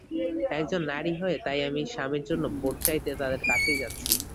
একজন নারী হয়ে তাই আমি স্বামীর জন্য ভোট চাইতে তাঁদের কাছেই যাচ্ছি।